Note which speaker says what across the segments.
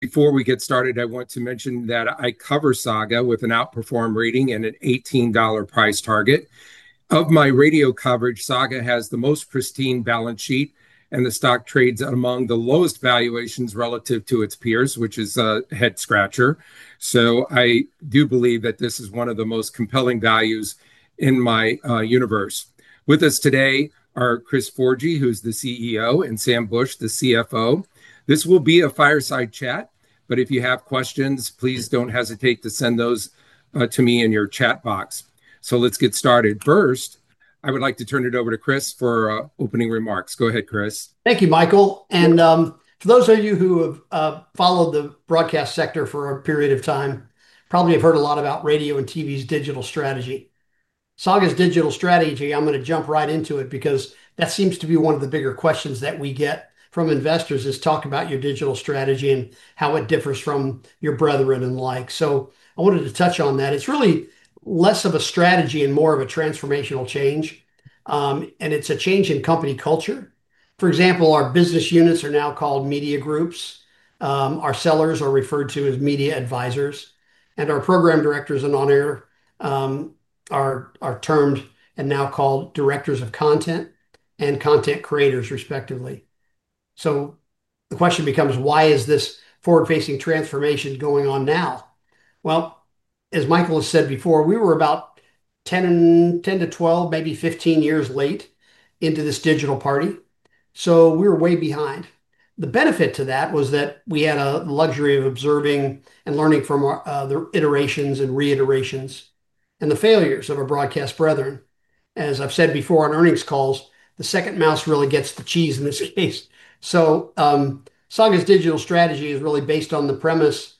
Speaker 1: Before we get started, I want to mention that I cover Saga with an outperform rating and an $18 price target. Of my radio coverage, Saga has the most pristine balance sheet and the stock trades among the lowest valuations relative to its peers, which is a head-scratcher, so I do believe that this is one of the most compelling values in my universe. With us today are Chris Forgy, who's the CEO, and Sam Bush, the CFO. This will be a fireside chat, but if you have questions, please don't hesitate to send those to me in your chat box. Let's get started. First, I would like to turn it over to Chris for opening remarks. Go ahead, Chris.
Speaker 2: Thank you, Michael. For those of you who have followed the broadcast sector for a period of time, you probably have heard a lot about radio and TV's digital strategy. Saga's digital strategy, I'm going to jump right into it because that seems to be one of the bigger questions that we get from investors: talk about your digital strategy and how it differs from your brethren and alike. I wanted to touch on that. It's really less of a strategy and more of a transformational change, and it's a change in company culture. For example, our business units are now called media groups. Our sellers are referred to as media advisors, and our program directors and on-air are termed and now called directors of content and content creators, respectively. The question becomes, why is this forward-facing transformation going on now? As Michael has said before, we were about 10-12, maybe 15 years late into this digital party. We were way behind. The benefit to that was that we had the luxury of observing and learning from the iterations and reiterations and the failures of our broadcast brethren. As I've said before on earnings calls, the second mouse really gets the cheese in this case. Saga's digital strategy is really based on the premise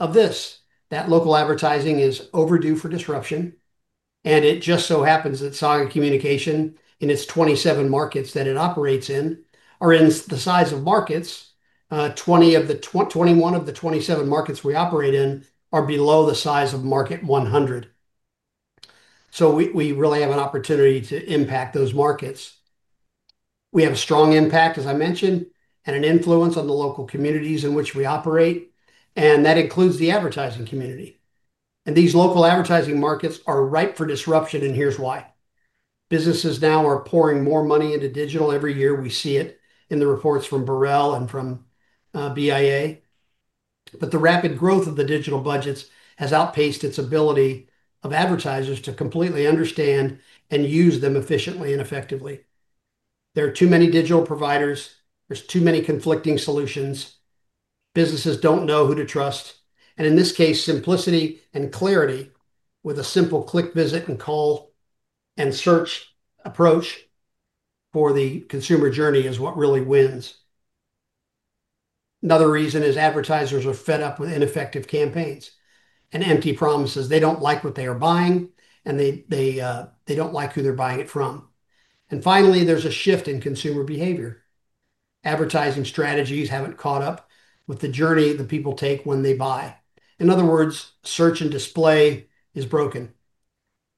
Speaker 2: of this: that local advertising is overdue for disruption. It just so happens that Saga Communications, in its 27 markets that it operates in, are in the size of markets. 21 of the 27 markets we operate in are below the size of Market 100. We really have an opportunity to impact those markets. We have a strong impact, as I mentioned, and an influence on the local communities in which we operate. That includes the advertising community. These local advertising markets are ripe for disruption, and here's why. Businesses now are pouring more money into digital every year. We see it in the reports from Borrell and from BIA. The rapid growth of the digital budgets has outpaced its ability of advertisers to completely understand and use them efficiently and effectively. There are too many digital providers, there are too many conflicting solutions, businesses don't know who to trust. In this case, simplicity and clarity with a simple click, visit, and call, and search approach for the consumer journey is what really wins. Another reason is advertisers are fed up with ineffective campaigns and empty promises. They don't like what they are buying, and they don't like who they're buying it from. Finally, there's a shift in consumer behavior. Advertising strategies haven't caught up with the journey that people take when they buy. In other words, search and display is broken,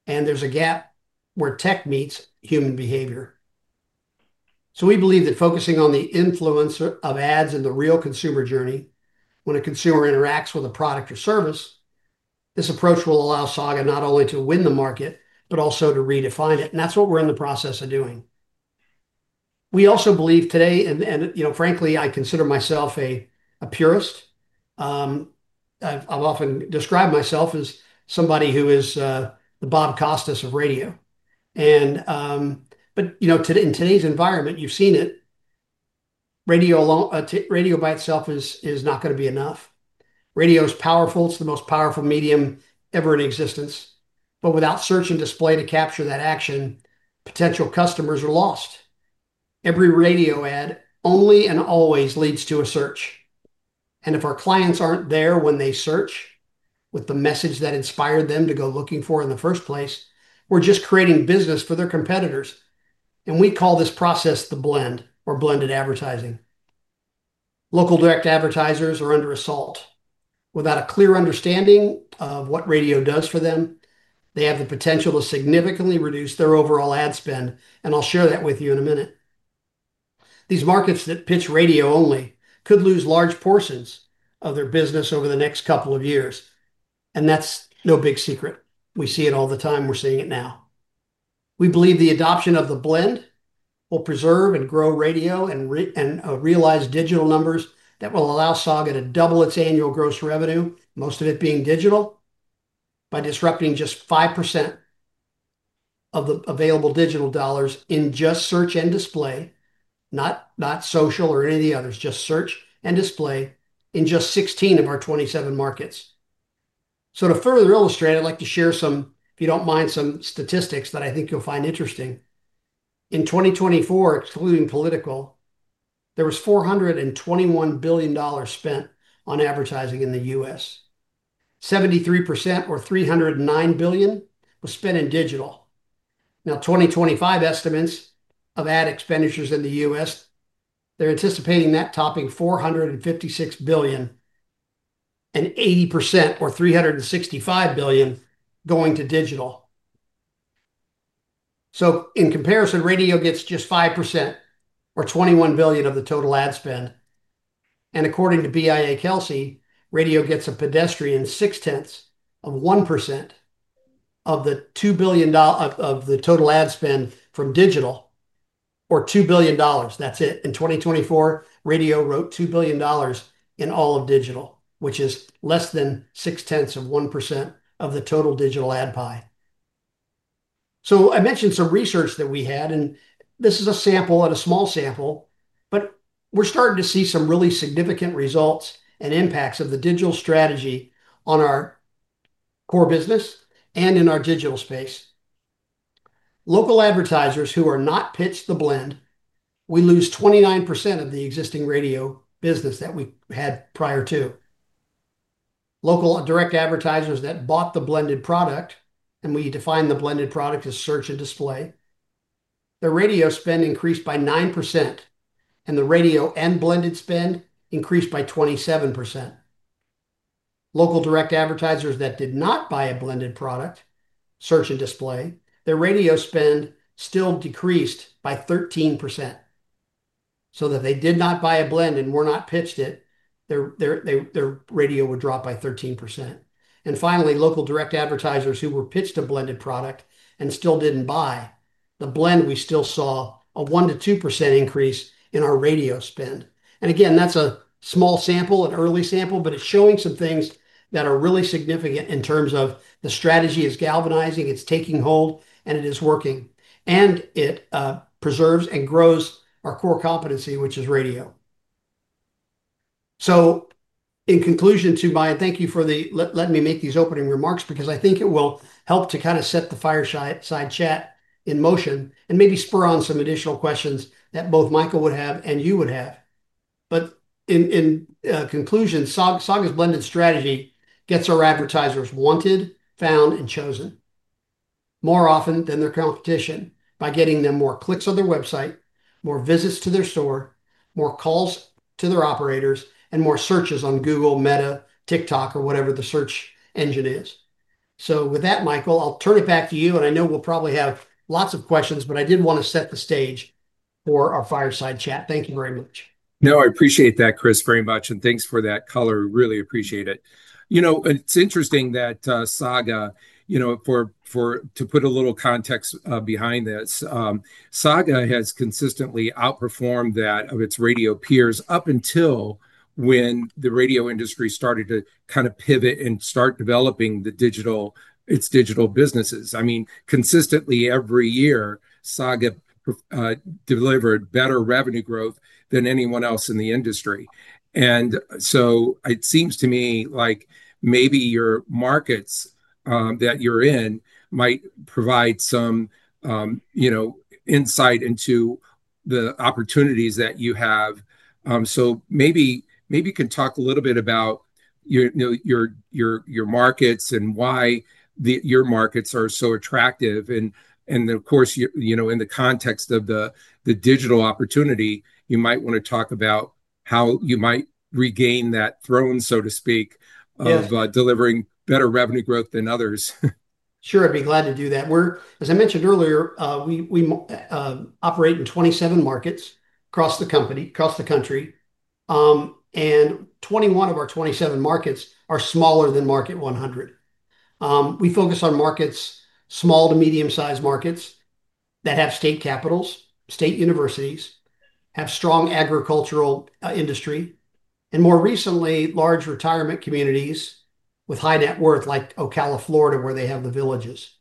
Speaker 2: and there's a gap where tech meets human behavior. We believe that focusing on the influence of ads and the real consumer journey, when a consumer interacts with a product or service, this approach will allow Saga not only to win the market, but also to redefine it, and that's what we're in the process of doing. We also believe today, and frankly, I consider myself a purist. I've often described myself as somebody who is the Bob Costas of radio. In today's environment, you've seen it. Radio by itself is not going to be enough. Radio is powerful. It's the most powerful medium ever in existence. Without search and display to capture that action, potential customers are lost. Every radio ad only and always leads to a search. If our clients aren't there when they search with the message that inspired them to go looking for in the first place, we're just creating business for their competitors, and we call this process the blend or blended advertising. Local direct advertisers are under assault. Without a clear understanding of what radio does for them, they have the potential to significantly reduce their overall ad spend. I'll share that with you in a minute. These markets that pitch radio only could lose large portions of their business over the next couple of years, and that's no big secret. We see it all the time. We're seeing it now. We believe the adoption of the blend will preserve and grow radio and realize digital numbers that will allow Saga to double its annual gross revenue, most of it being digital, by disrupting just 5% of the available digital dollars in just search and display, not social or any of the others, just search and display in just 16 of our 27 markets. To further illustrate, I'd like to share some statistics that I think you'll find interesting. In 2024, excluding political, there was $421 billion spent on advertising in the U.S. 73% or $309 billion was spent in digital. Now, 2025 estimates of ad expenditures in the U.S., they're anticipating that topping $456 billion and 80% or $365 billion going to digital. In comparison, radio gets just 5% or $21 billion of the total ad spend. According to BIA/Kelsey, radio gets a pedestrian 0.6% of the $2 billion of the total ad spend from digital, or $2 billion. That's it. In 2024, radio wrote $2 billion in all of digital, which is less than 0.6% of the total digital ad pie. I mentioned some research that we had, and this is a sample and a small sample, but we're starting to see some really significant results and impacts of the digital strategy on our core business and in our digital space. Local advertisers who are not pitched the blend, we lose 29% of the existing radio business that we had prior to. Local direct advertisers that bought the blended product, and we define the blended product as search and display, their radio spend increased by 9%, and the radio and blended spend increased by 27%. Local direct advertisers that did not buy a blended product, search and display, their radio spend still decreased by 13%. If they did not buy a blend and were not pitched it, their radio would drop by 13%, and finally local direct advertisers who were pitched a blended product and still didn't buy the blend, we still saw a 1%-2% increase in our radio spend. Again, that's a small sample, an early sample, but it's showing some things that are really significant in terms of the strategy is galvanizing, it's taking hold, and it is working, and it preserves and grows our core competency, which is radio. In conclusion, to Mike, thank you for letting me make these opening remarks because I think it will help to kind of set the fireside chat in motion and maybe spur on some additional questions that both Michael would have and you would have. In conclusion, Saga's blended strategy gets our advertisers wanted, found, and chosen more often than their competition by getting them more clicks on their website, more visits to their store, more calls to their operators, and more searches on Google, Meta, TikTok, or whatever the search engine is. With that, Michael, I'll turn it back to you. I know we'll probably have lots of questions, but I did want to set the stage for our fireside chat. Thank you very much. No, I appreciate that, Chris, very much. Thanks for that color. We really appreciate it. It's interesting that Saga, to put a little context behind this, Saga has consistently outperformed that of its radio peers up until when the radio industry started to kind of pivot and start developing its digital businesses. I mean, consistently every year, Saga delivered better revenue growth than anyone else in the industry. It seems to me like maybe your markets that you're in might provide some insight into the opportunities that you have, and so maybe you could talk a little bit about your markets and why your markets are so attractive. Of course, in the context of the digital opportunity, you might want to talk about how you might regain that throne, so to speak, of delivering better revenue growth than others. Sure, I'd be glad to do that. As I mentioned earlier, we operate in 27 markets across the country. 21 of our 27 markets are smaller than Market 100. We focus on small to medium-sized markets that have state capitals, state universities, strong agricultural industry, and more recently, large retirement communities with high net worth like Ocala, Florida, where they have The Villages.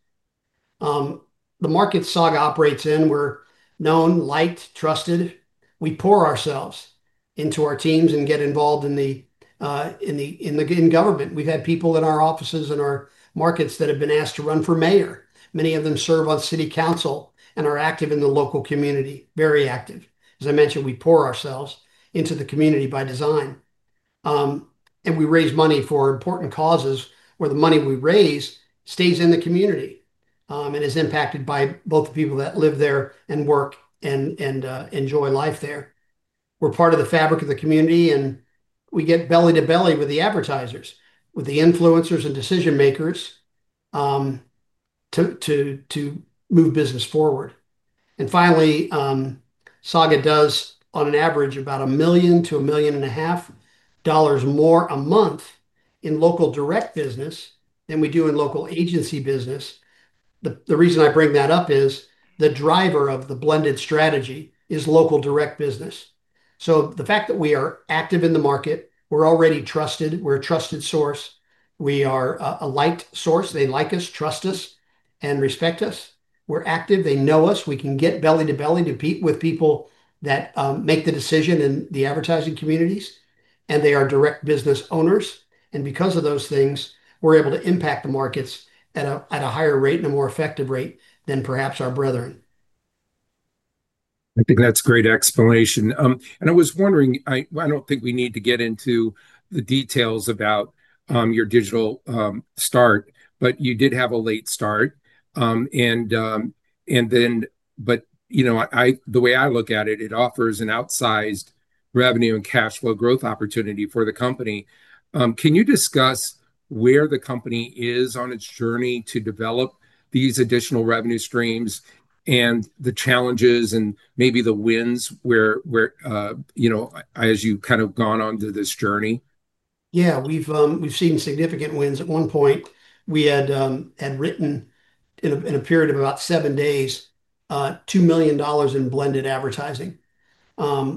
Speaker 2: The markets Saga operates in are known, liked, trusted. We pour ourselves into our teams and get involved in government. We've had people in our offices and our markets that have been asked to run for mayor. Many of them serve on city council and are very active in the local community. As I mentioned, we pour ourselves into the community by design. We raise money for important causes where the money we raise stays in the community and is impacted by both the people that live there and work and enjoy life there. We're part of the fabric of the community, and we get belly to belly with the advertisers, with the influencers and decision makers to move business forward. Finally, Saga does, on average, about $1 million-$1.5 million more a month in local direct business than we do in local agency business. The reason I bring that up is the driver of the blended strategy is local direct business. The fact that we are active in the market, we're already trusted, we're a trusted source, we are a light source. They like us, trust us, and respect us, we're active, they know us, we can get belly to belly with people that make the decision in the advertising communities, and they are direct business owners. Because of those things, we're able to impact the markets at a higher rate and a more effective rate than perhaps our brethren. I think that's a great explanation. I was wondering, I don't think we need to get into the details about your digital start, but you did have a late start. The way I look at it, it offers an outsized revenue and cash flow growth opportunity for the company. Can you discuss where the company is on its journey to develop these additional revenue streams and the challenges and maybe the wins where, you know, as you've kind of gone on to this journey? Yeah, we've seen significant wins. At one point, we had written in a period of about seven days, $2 million in blended advertising.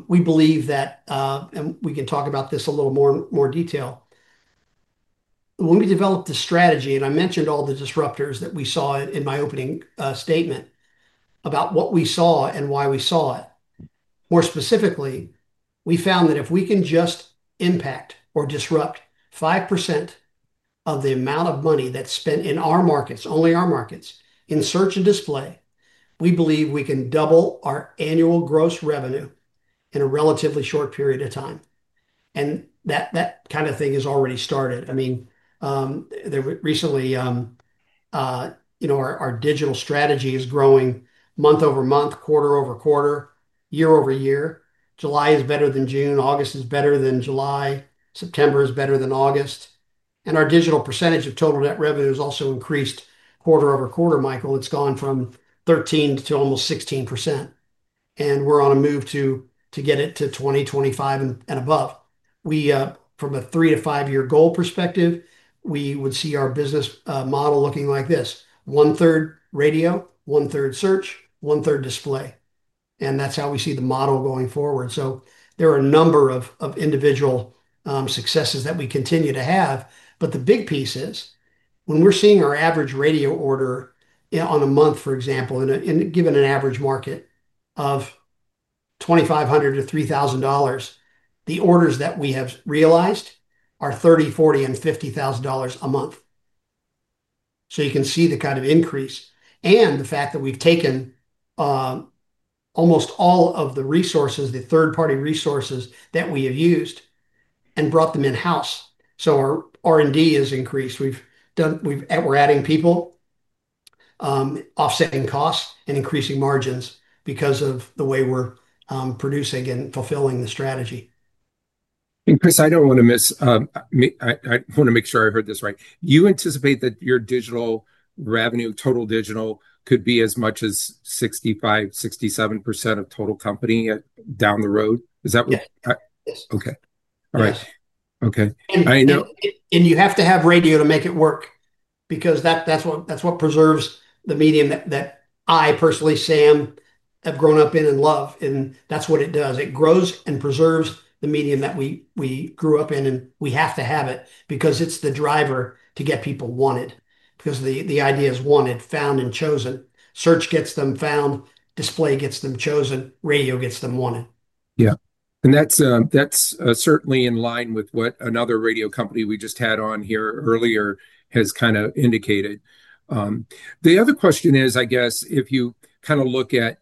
Speaker 2: We believe that, and we can talk about this in a little more detail. When we developed the strategy, and I mentioned all the disruptors that we saw in my opening statement about what we saw and why we saw it. More specifically, we found that if we can just impact or disrupt 5% of the amount of money that's spent in our markets, only our markets, in search and display, we believe we can double our annual gross revenue in a relatively short period of time. That kind of thing has already started. Recently, our digital strategy is growing month over month, quarter-over-quarter, year-over-year. July is better than June. August is better than July. September is better than August. Our digital percentage of total net revenue has also increased quarter-over-quarter, Michael. It's gone from 13% to almost 16%. We're on a move to get it to 20%-25% and above. From a three to five-year goal perspective, we would see our business model looking like this: 1/3 radio, 1/3 search, 1/3 display, and that's how we see the model going forward, so there are a number of individual successes that we continue to have. The big piece is when we're seeing our average radio order on a month, for example, and given an average market of $2,500-$3,000, the orders that we have realized are $30,000, $40,000, and $50,000 a month. You can see the kind of increase and the fact that we've taken almost all of the resources, the third-party resources that we have used, and brought them in-house. Our R&D has increased. We're adding people, offsetting costs, and increasing margins because of the way we're producing and fulfilling the strategy. Chris, I don't want to miss, I want to make sure I heard this right. Do you anticipate that your digital revenue, total digital, could be as much as 65%-67% of total company down the road? Is that? Yes. Okay. All right. Okay. You have to have radio to make it work because that's what preserves the medium that I personally, Sam, have grown up in and love. That's what it does. It grows and preserves the medium that we grew up in. We have to have it because it's the driver to get people wanted. The idea is wanted, found, and chosen. Search gets them found. Display gets them chosen. Radio gets them wanted. Yeah. That's certainly in line with what another radio company we just had on here earlier has indicated. The other question is, I guess, if you look at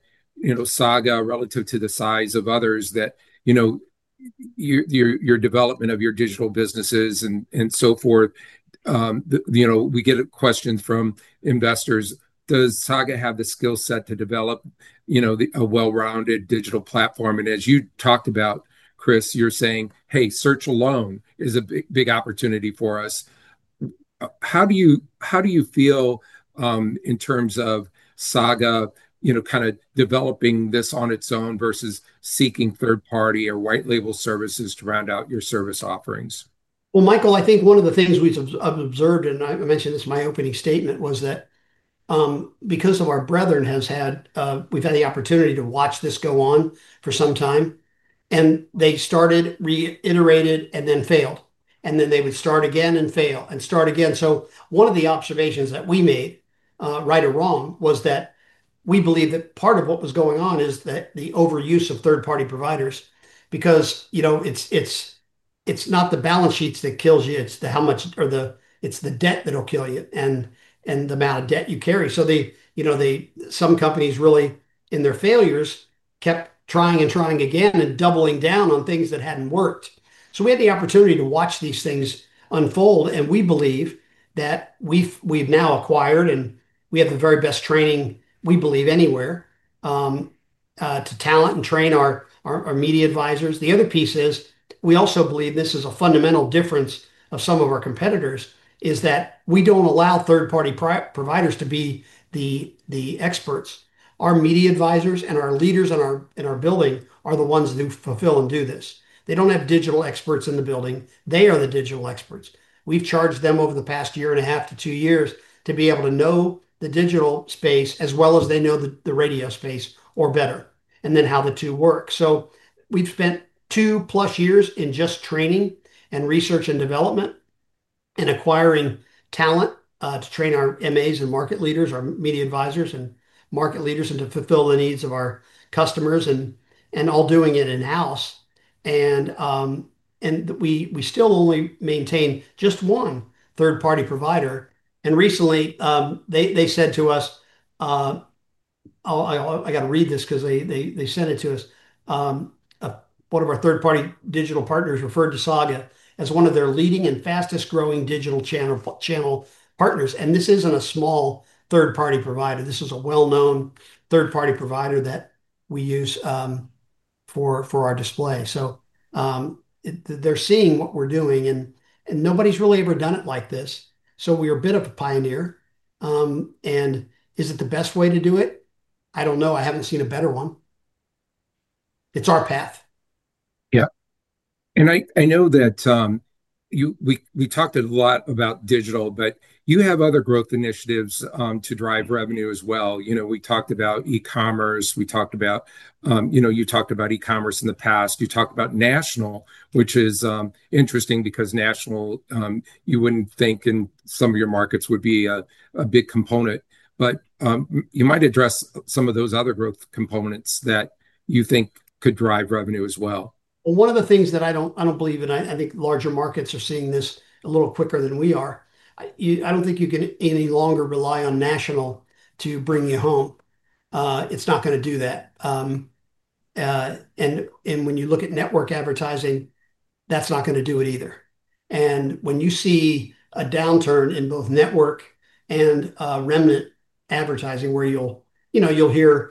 Speaker 2: Saga relative to the size of others, your development of your digital businesses and so forth, we get questions from investors. Does Saga have the skill set to develop a well-rounded digital platform? As you talked about, Chris, you're saying, hey, search alone is a big opportunity for us. How do you feel in terms of Saga developing this on its own versus seeking third-party or white-label services to round out your service offerings? Michael, I think one of the things we've observed, and I mentioned this in my opening statement, was that because our brethren has had, we've had the opportunity to watch this go on for some time. They started, reiterated, and then failed. They would start again and fail and start again. One of the observations that we made, right or wrong, was that we believe that part of what was going on is the overuse of third-party providers. It's not the balance sheets that kills you. It's the debt that'll kill you and the amount of debt you carry. Some companies really, in their failures, kept trying and trying again and doubling down on things that hadn't worked. We had the opportunity to watch these things unfold. We believe that we've now acquired, and we have the very best training, we believe, anywhere to talent and train our media advisors. The other piece is we also believe this is a fundamental difference of some of our competitors, that we don't allow third-party providers to be the experts. Our media advisors and our leaders in our building are the ones who fulfill and do this, they don't have digital experts in the building, they are the digital experts. We've charged them over the past year and a half to two years to be able to know the digital space as well as they know the radio space or better, and then how the two work. We've spent two plus years in just training and research and development and acquiring talent to train our MAs and market leaders, our media advisors and market leaders, and to fulfill the needs of our customers and all doing it in-house. We still only maintain just one third-party provider. Recently, they said to us, I got to read this because they sent it to us. One of our third-party digital partners referred to Saga as one of their leading and fastest growing digital channel partners, and this isn't a small third-party provider, this is a well-known third-party provider that we use for our display. They're seeing what we're doing, and nobody's really ever done it like this. We're a bit of a pioneer. Is it the best way to do it? I don't know. I haven't seen a better one. It's our path. Yeah. I know that we talked a lot about digital, but you have other growth initiatives to drive revenue as well, you know, we talked about e-commerce, you talked about e-commerce in the past, you talked about national, which is interesting because national, you wouldn't think in some of your markets would be a big component. You might address some of those other growth components that you think could drive revenue as well. One of the things that I don't believe in, I think larger markets are seeing this a little quicker than we are. I don't think you can any longer rely on national to bring you home. It's not going to do that. When you look at network advertising, that's not going to do it either. When you see a downturn in both network and remnant advertising, where you'll hear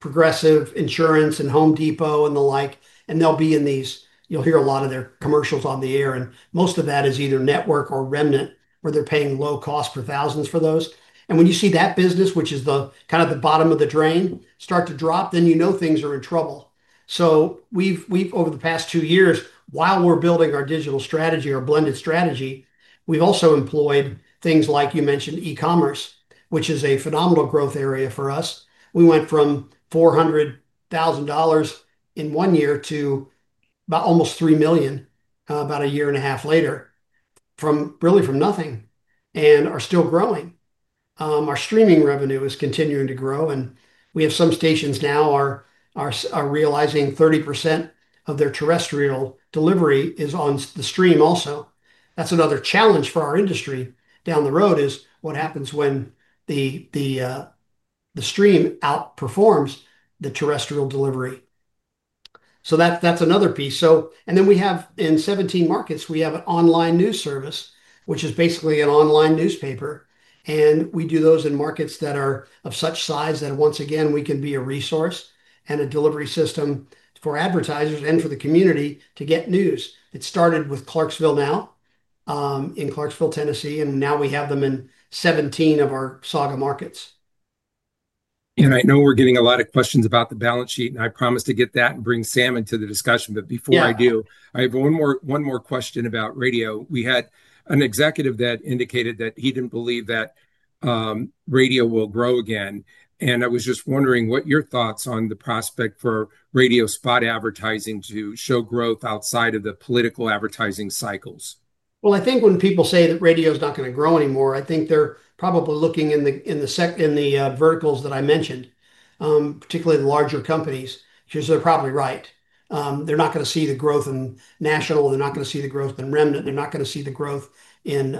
Speaker 2: Progressive insurance and Home Depot and the like, and they'll be in these, you'll hear a lot of their commercials on the air. Most of that is either network or remnant, where they're paying low costs per thousands for those. When you see that business, which is kind of the bottom of the drain, start to drop, then you know things are in trouble. Over the past two years, while we're building our digital strategy, our blended strategy, we've also employed things like you mentioned e-commerce, which is a phenomenal growth area for us. We went from $400,000 in one year to about almost $3 million about a year and a half later, really from nothing, and are still growing. Our streaming revenue is continuing to grow, and we have some stations now realizing 30% of their terrestrial delivery is on the stream also. That's another challenge for our industry down the road, what happens when the stream outperforms the terrestrial delivery., so that's another piece. In 17 markets, we have an online news service, which is basically an online newspaper. We do those in markets that are of such size that, once again, we can be a resource and a delivery system for advertisers and for the community to get news. It started with Clarksville Now in Clarksville, Tennessee, and now we have them in 17 of our Saga markets. I know we're getting a lot of questions about the balance sheet, and I promised to get that and bring Sam into the discussion. Before I do, I have one more question about radio. We had an executive that indicated that he didn't believe that radio will grow again, and I was just wondering what your thoughts are on the prospect for radio spot advertising to show growth outside of the political advertising cycles. I think when people say that radio is not going to grow anymore, I think they're probably looking in the verticals that I mentioned, particularly the larger companies, because they're probably right, they're not going to see the growth in national, they're not going to see the growth in remnant, they're not going to see the growth in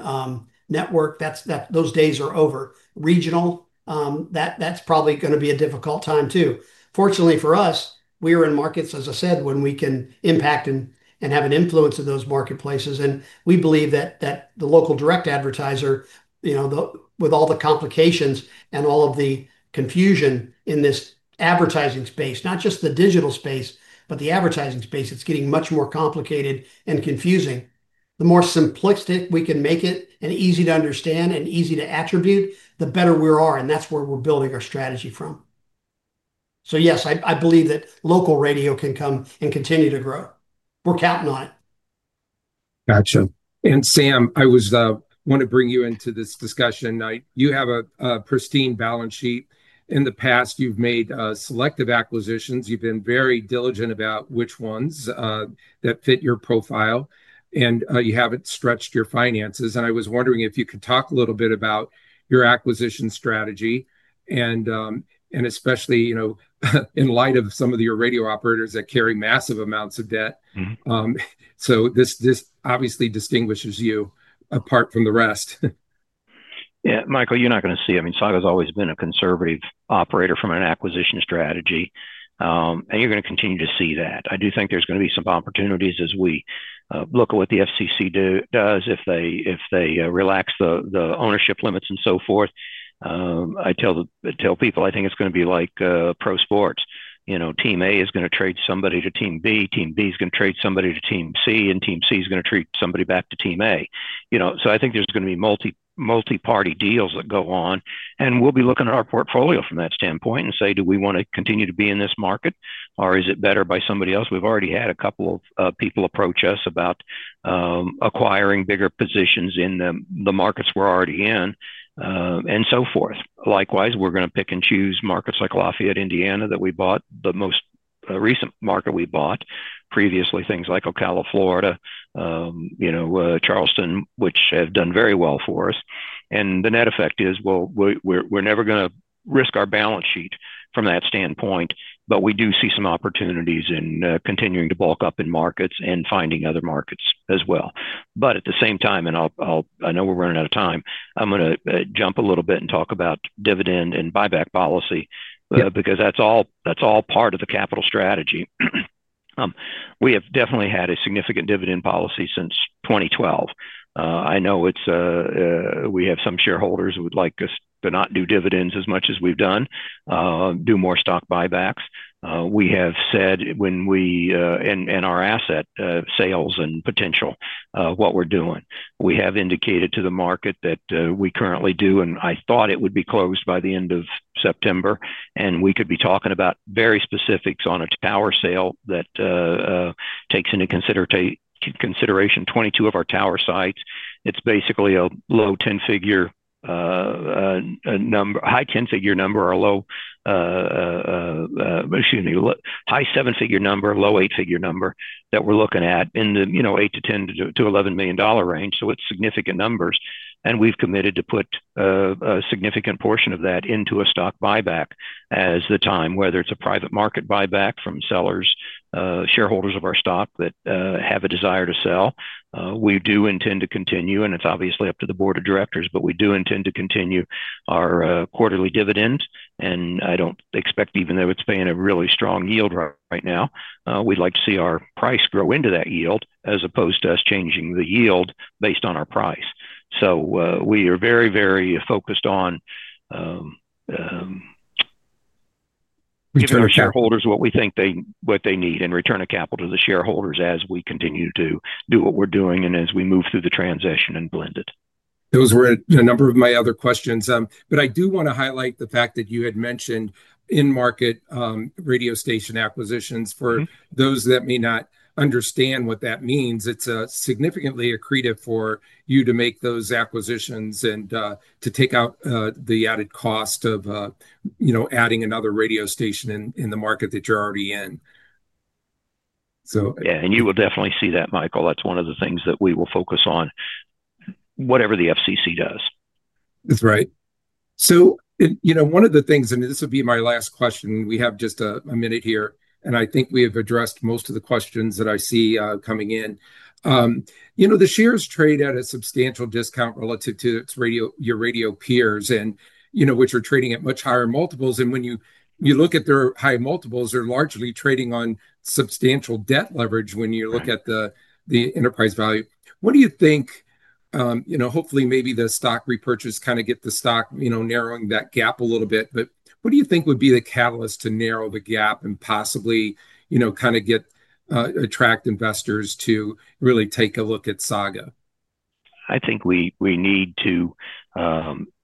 Speaker 2: network. Those days are over. Regional, that's probably going to be a difficult time too. Fortunately for us, we are in markets, as I said, where we can impact and have an influence in those marketplaces. We believe that the local direct advertiser, you know, with all the complications and all of the confusion in this advertising space, not just the digital space, but the advertising space, it's getting much more complicated and confusing. The more simplistic we can make it and easy to understand and easy to attribute, the better we are. That's where we're building our strategy from. Yes, I believe that local radio can come and continue to grow. We're counting on it. Gotcha. Sam, I want to bring you into this discussion. You have a pristine balance sheet. In the past, you've made selective acquisitions. You've been very diligent about which ones fit your profile, and you haven't stretched your finances. I was wondering if you could talk a little bit about your acquisition strategy, especially in light of some of your radio operators that carry massive amounts of debt. This obviously distinguishes you apart from the rest.
Speaker 3: Yeah, Michael, you're not going to see. I mean, Saga's always been a conservative operator from an acquisition strategy, and you're going to continue to see that. I do think there's going to be some opportunities as we look at what the FCC does, if they relax the ownership limits and so forth. I tell people, I think it's going to be like pro sports. You know, Team A is going to trade somebody to Team B. Team B is going to trade somebody to Team C. Team C is going to trade somebody back to Team A. I think there's going to be multi-party deals that go on. We'll be looking at our portfolio from that standpoint and say, do we want to continue to be in this market, or is it better by somebody else? We've already had a couple of people approach us about acquiring bigger positions in the markets we're already in and so forth. Likewise, we're going to pick and choose markets like Lafayette, Indiana, that we bought, the most recent market we bought. Previously, things like Ocala, Florida, Charleston, which have done very well for us. The net effect is, we're never going to risk our balance sheet from that standpoint. We do see some opportunities in continuing to bulk up in markets and finding other markets as well. At the same time, and I know we're running out of time, I'm going to jump a little bit and talk about dividend and buyback policy because that's all part of the capital strategy. We have definitely had a significant dividend policy since 2012. I know we have some shareholders who would like us to not do dividends as much as we've done, do more stock buybacks. We have said when we in our asset sales and potential, what we're doing, we have indicated to the market that we currently do, and I thought it would be closed by the end of September. We could be talking about very specifics on a tower sale that takes into consideration 22 of our tower sites. It's basically a low 10-figure, high 7-figure number, low 8-figure number that we're looking at in the $8 million-$10 million to $11 million range. It's significant numbers. We've committed to put a significant portion of that into a stock buyback as the time, whether it's a private market buyback from sellers, shareholders of our stock that have a desire to sell. We do intend to continue, and it's obviously up to the Board of Directors, but we do intend to continue our quarterly dividend, and I don't expect, even though it's paying a really strong yield right now, we'd like to see our price grow into that yield as opposed to us changing the yield based on our price. We are very, very focused on giving our shareholders what we think they need and return of capital to the shareholders as we continue to do what we're doing and as we move through the transition and blend it. Those were a number of my other questions. I do want to highlight the fact that you had mentioned in-market radio station acquisitions. For those that may not understand what that means, it's significantly accretive for you to make those acquisitions and to take out the added cost of, you know, adding another radio station in the market that you're already in. Yeah, you will definitely see that, Michael. That's one of the things that we will focus on, whatever the FCC does. That's right. One of the things, and this will be my last question, we have just a minute here, and I think we have addressed most of the questions that I see coming in. The shares trade at a substantial discount relative to your radio peers, yo know, which are trading at much higher multiples. When you look at their higher multiples, they're largely trading on substantial debt leverage when you look at the enterprise value. What do you think, you know, hopefully maybe the stock repurchase kind of gets the stock narrowing that gap a little bit, but what do you think would be the catalyst to narrow the gap and possibly, you know, kind get, attract investors to really take a look at Saga? I think we need to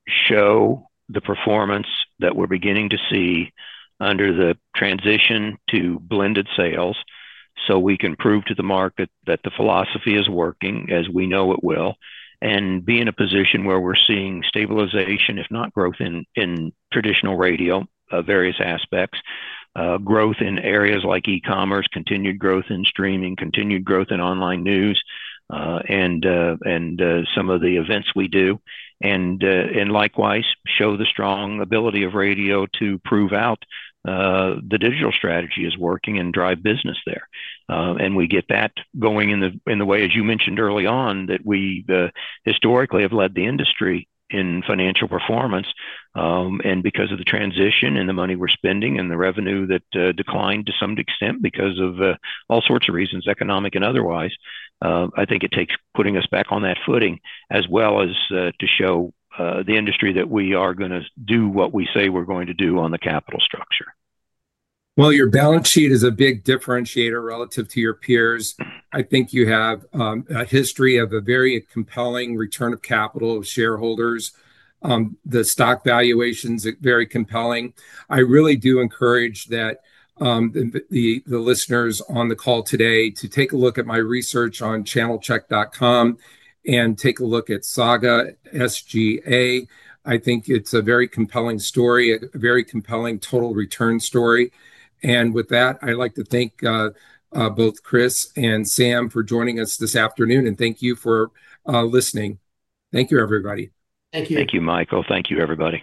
Speaker 3: show the performance that we're beginning to see under the transition to blended sales so we can prove to the market that the philosophy is working, as we know it will, and be in a position where we're seeing stabilization, if not growth, in traditional radio, various aspects, growth in areas like e-commerce, continued growth in streaming, continued growth in online news, and some of the events we do, and likewise show the strong ability of radio to prove out the digital strategy is working and drive business there. We get that going in the way, as you mentioned early on, that we historically have led the industry in financial performance. Because of the transition and the money we're spending and the revenue that declined to some extent because of all sorts of reasons, economic and otherwise, I think it takes putting us back on that footing as well as to show the industry that we are going to do what we say we're going to do on the capital structure. Your balance sheet is a big differentiator relative to your peers. I think you have a history of a very compelling return of capital to shareholders. The stock valuation is very compelling. I really do encourage the listeners on the call today to take a look at my research on channelcheck.com and take a look at Saga, SGA. I think it's a very compelling story, a very compelling total return story. With that, I'd like to thank both Chris and Sam for joining us this afternoon, and thank you for listening. Thank you, everybody.
Speaker 2: Thank you.
Speaker 3: Thank you, Michael. Thank you, everybody.